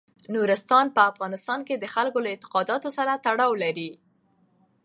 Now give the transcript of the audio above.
نورستان په افغانستان کې د خلکو له اعتقاداتو سره تړاو لري.